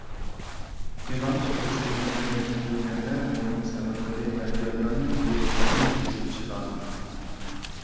ئېلان چىقىرىش يولى بىلەن يەتكۈزۈلگەندە، ئۇنىڭ سەۋەبلىرى ۋە جەريانى دېلوغا ئېنىق يېزىلىشى لازىم.